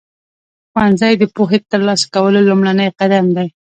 ښوونځی د پوهې ترلاسه کولو لومړنی قدم دی.